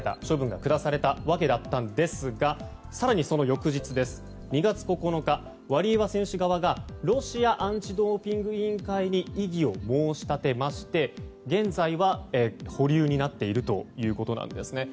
処分が下されたわけだったんですが更にその翌日、２月９日ワリエワ選手側がロシア・アンチドーピング委員会に異議を申し立てまして現在は保留になっているということです。